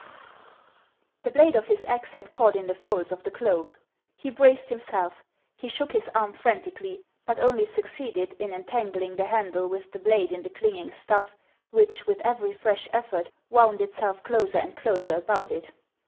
The blade of his axe had caught in the folds of the cloak. He braced himself; he shook his arm frantically, but only succeeded in entangling the handle with the J O O blade in the clinging stuff, which, with every fresh effort, wound itself closer and closer about it.